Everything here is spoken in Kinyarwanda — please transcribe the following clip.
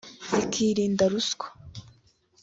zikirinda ruswa